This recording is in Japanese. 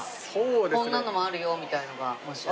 「こんなのもあるよ」みたいなのがもしあれば。